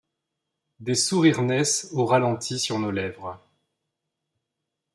Des sourires naissent au ralenti sur nos lèvres.